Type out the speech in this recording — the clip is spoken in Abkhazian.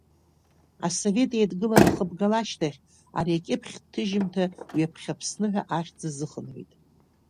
Асовет Еидгыла анхыбгала ашьҭахь, ари акьыԥхьтә ҭыжьымҭа ҩаԥхьа Аԥсны ҳәа ахьӡ азыхынҳәит…